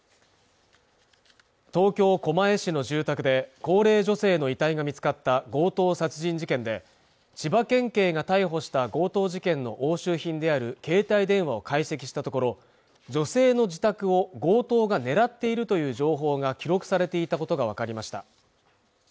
東京狛江市の住宅で高齢女性の遺体が見つかった強盗殺人事件で千葉県警が逮捕した強盗事件の押収品である携帯電話を解析したところ女性の自宅を強盗が狙っているという情報が記録されていたことが分かりました